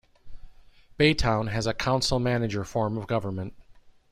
Baytown has a council-manager form of government.